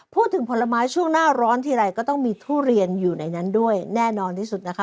ผลไม้ช่วงหน้าร้อนทีไรก็ต้องมีทุเรียนอยู่ในนั้นด้วยแน่นอนที่สุดนะคะ